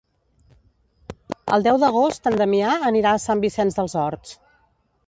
El deu d'agost en Damià anirà a Sant Vicenç dels Horts.